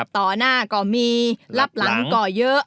ต่อหน้าก็มีรับหลังก่อเยอะ